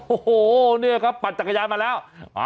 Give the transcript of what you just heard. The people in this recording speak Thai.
โอ้โหนี้เธอปลัดจักรยานมาแล้ว